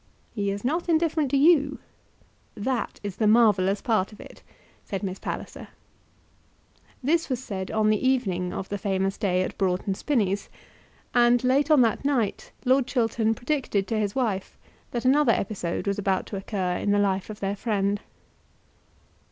"He is not indifferent to you." "That is the marvellous part of it," said Miss Palliser. This was said on the evening of the famous day at Broughton Spinnies, and late on that night Lord Chiltern predicted to his wife that another episode was about to occur in the life of their friend.